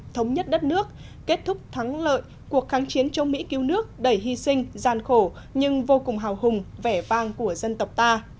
thống nhất đất nước kết thúc thắng lợi cuộc kháng chiến chống mỹ cứu nước đầy hy sinh gian khổ nhưng vô cùng hào hùng vẻ vang của dân tộc ta